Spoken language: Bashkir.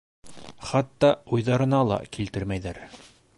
Хатта уйҙарына ла килтермәйҙәр.